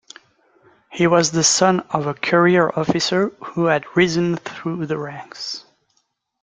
He was the son of a career officer who had risen through the ranks.